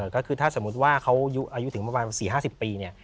ก็คือถ้าสมมุติว่าเขาอายุถึงประมาณ๔๕๐ปีเนี่ย